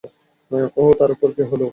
ওহ, তারপর কী হল?